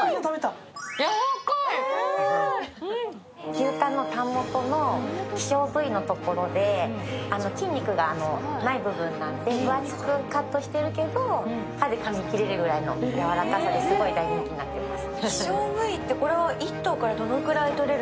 牛タンのタン元の希少部位のところで筋肉がない部位なので分厚くカットしてるけど、歯でかみきれるぐらいのやわらかさで、すごい大人気になっています。